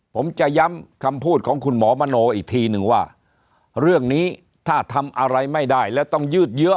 ผมจะย้ำคำพูดของคุณหมอมโนอีกทีนึงว่าเรื่องนี้ถ้าทำอะไรไม่ได้และต้องยืดเยอะ